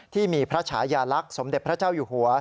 ที่มีพระฉายาลักษณ์สมเด็จพระเจ้าอยู่หัว